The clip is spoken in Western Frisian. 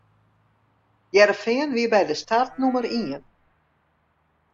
Hearrenfean wie by dy start nûmer ien.